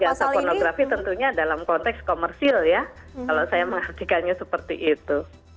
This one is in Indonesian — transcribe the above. jasa pornografi tentunya dalam konteks komersil ya kalau saya mengartikannya seperti itu